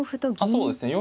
そうですね。